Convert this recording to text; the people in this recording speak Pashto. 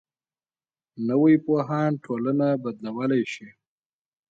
نوی پوهاند ټولنه بدلولی شي